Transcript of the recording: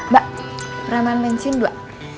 mbak ramahan bensin dua